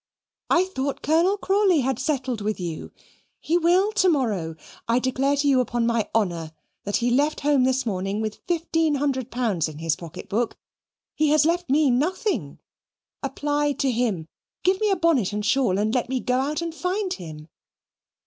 I thought Colonel Crawley had settled with you. He will to morrow. I declare to you upon my honour that he left home this morning with fifteen hundred pounds in his pocket book. He has left me nothing. Apply to him. Give me a bonnet and shawl and let me go out and find him.